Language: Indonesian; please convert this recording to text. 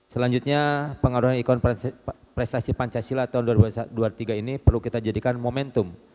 selanjutnya pengaruhan ikon prestasi pancasila tahun dua ribu dua puluh tiga ini perlu kita jadikan momentum